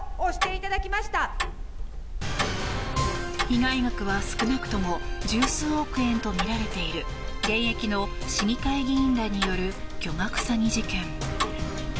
被害額は少なくとも十数億円とみられている現役の市議会議員らによる巨額詐欺事件。